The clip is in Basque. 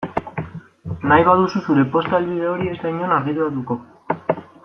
Nahi baduzu zure posta helbide hori ez da inon argitaratuko.